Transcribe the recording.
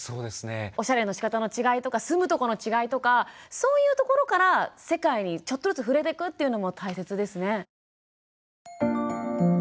おしゃれのしかたの違いとか住むとこの違いとかそういうところから世界にちょっとずつ触れてくっていうのも大切ですね。